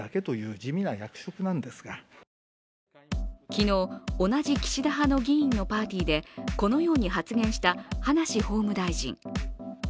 昨日、同じ岸田派の議員のパーティーでこのように発言した葉梨法務大臣。